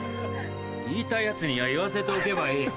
言いたいヤツには言わせておけばいい。